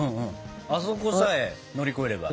あそこさえ乗り越えれば。